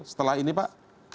setelah ini pak